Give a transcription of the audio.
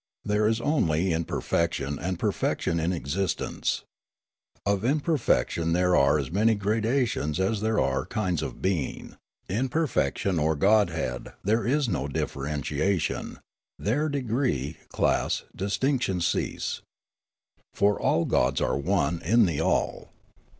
There is only imperfection and perfection in existence. Of imperfection there are as many gradations as there are kinds of being ; in per fection or godhead there is no differentiation ; there degree, class, distinction cease. For all gods are one in the all.